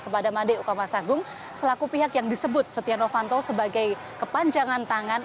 kepada made okamasagung selaku pihak yang disebut setia novanto sebagai kepanjangan tangan